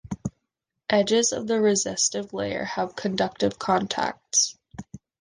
Edges of the resistive layer have conductive contacts.